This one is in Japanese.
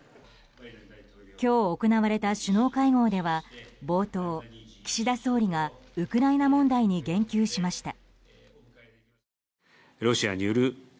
今日行われた首脳会合では冒頭、岸田総理がウクライナ問題に言及しました。